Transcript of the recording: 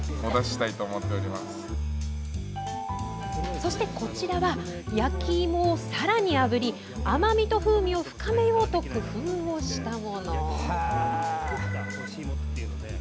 そしてこちらは焼きいもを、さらにあぶり甘みと風味を深めようと工夫をしたもの。